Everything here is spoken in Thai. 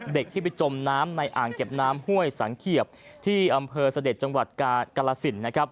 เด็กที่ไปจมน้ำในอ่างเก็บน้ำห้วยสังเขียบที่อำเภอเสด็จจังหวัดกากรสินนะครับ